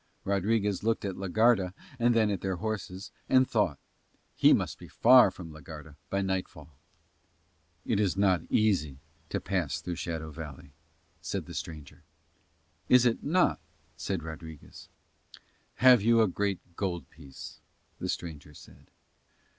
Rodriguez looked at la Garda and then at their horses, and thought. He must be far from la Garda by nightfall. "It is not easy to pass through Shadow Valley," said the stranger. "Is it not?" said Rodriguez. "Have you a gold great piece?" the stranger said.